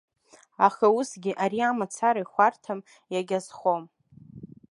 Аха усгьы ари амацара ихәарҭам, иагьазхом.